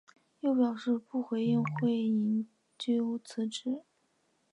又表示不回应会否引咎辞职。